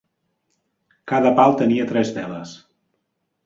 Cada pal tenia tres veles.